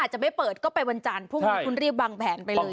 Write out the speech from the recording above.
อาจจะไม่เปิดก็ไปวันจานพรุ่งนี้คุณเรียกวางแผนไปเลยค่ะ